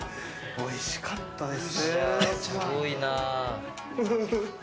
おいしかったです。